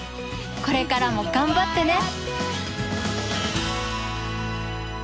これからも頑張ってね！